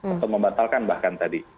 atau membatalkan bahkan tadi